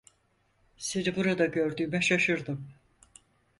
Seni burada gördüğüme şaşırdım.